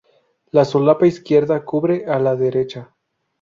La solapa izquierda cubre a la derecha.